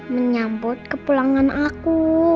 menyambut ke pulangan aku